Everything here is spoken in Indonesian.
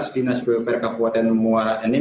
dinas bwpr kapuatan muara ini